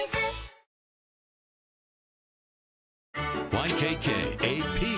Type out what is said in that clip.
ＹＫＫＡＰ